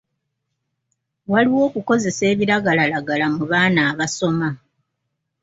Waliwo okukozesa ebiragalalagala mu baana abasoma.